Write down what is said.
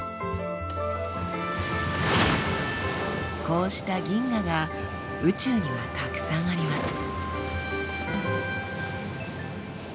こうした銀河が宇宙にはたくさんあります。